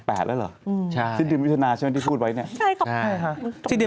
๘แล้วเหรอจิตดินพิธนาใช่ไหมที่พูดไว้นี่นะครับที่นี่